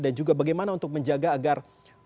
dan juga bagaimana untuk menjaga agar